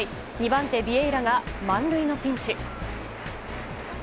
２番手、ビエイラが満塁のピンチ。